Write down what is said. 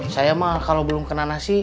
saya mah kalau belum kena nasi